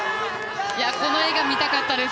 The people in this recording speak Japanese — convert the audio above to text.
この画が見たかったです